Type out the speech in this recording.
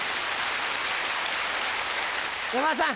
山田さん